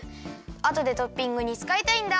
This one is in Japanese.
あとでトッピングにつかいたいんだ。